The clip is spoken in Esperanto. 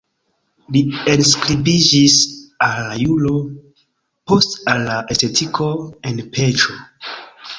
Li enskribiĝis al juro, poste al estetiko en Peĉo.